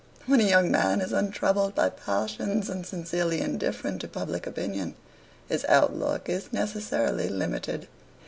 When a young man is untroubled by passions and sincerely indifferent to public opinion, his outlook is necessarily limited.